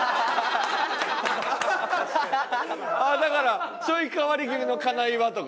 だからちょい変わり気味の「金岩」とか。